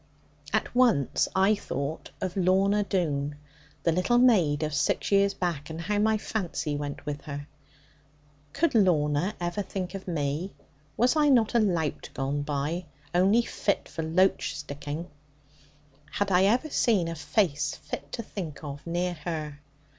At once I thought of Lorna Doone, the little maid of six years back, and how my fancy went with her. Could Lorna ever think of me? Was I not a lout gone by, only fit for loach sticking? Had I ever seen a face fit to think of near her?